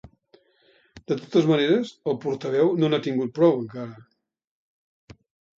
De totes maneres, el portaveu no n’ha tingut prou, encara.